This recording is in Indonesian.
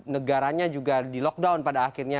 negaranya juga di lockdown pada akhirnya